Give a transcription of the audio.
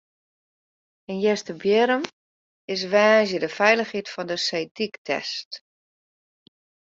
By Easterbierrum is woansdei de feilichheid fan de seedyk test.